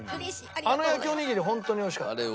あの焼きおにぎり本当においしかった。